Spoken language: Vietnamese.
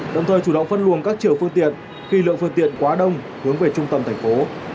đồng thời chủ động phân luồng các chiều phương tiện khi lượng phương tiện quá đông hướng về trung tâm thành phố